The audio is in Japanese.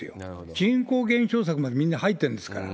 人口減少策までみんな入ってるんですから。